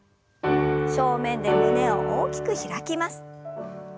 正面で胸を大きく開きます。